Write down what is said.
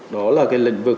đó là cái lĩnh vực